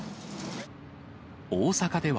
大阪では、